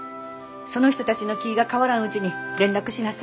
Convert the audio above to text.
その人たちの気が変わらんうちに連絡しなさい。